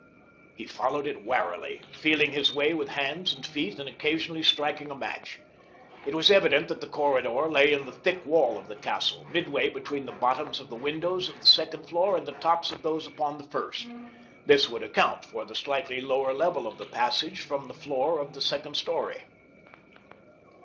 He followed it warily, feeling his way with hands and feet and occasionally striking a match. It was evident that the corridor lay in the thick wall of the castle, midway between the bottoms of the windows of the second floor and the tops of those upon the first—this would account for the slightly lower level of the passage from the floor of the second story.